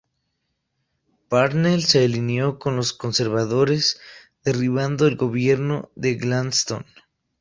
Parnell se alineó con los Conservadores, derribando el gobierno de Gladstone.